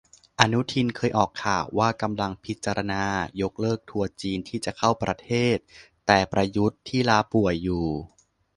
อนุทินเคยออกข่าวว่ากำลังพิจารณายกเลิกทัวร์จีนที่จะเข้าประเทศ แต่ประยุทธ์ ที่ลาป่วยอยู่